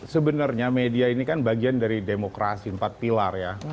sebenarnya media ini kan bagian dari demokrasi empat pilar ya